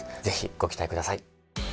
ぜひご期待ください。